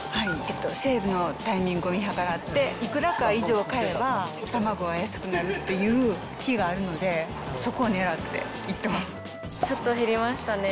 セールのタイミングを見計らって、いくらか以上買えば卵が安くなるっていう日があるので、そこをねちょっと減りましたね。